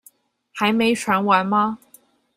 還沒傳完嗎？